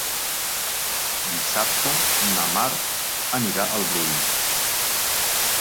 Dissabte na Mar anirà al Brull.